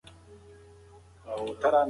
بچي یې په پټي کې په بې وسۍ ټوپونه وهل.